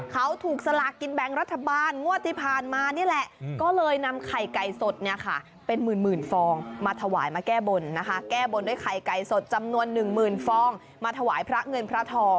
เขาถูกสลากกินแบงค์รัฐบาลงวดที่ผ่านมานี่แหละ